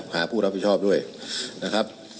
หาผู้รับผิดชอบด้วยนะครับ